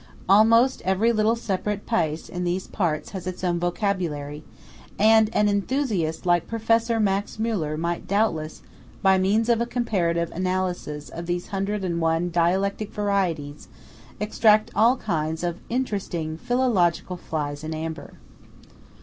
Almost every little separate "paese" in these parts has its own vocabulary; and an enthusiast like Professor Max Müller might doubtless, by means of a comparative analysis of these hundred and one dialectic varieties, extract all kinds of interesting philological flies in amber.